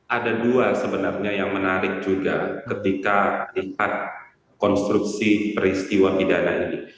ada dua sebenarnya yang menarik juga ketika lihat konstruksi peristiwa pidana ini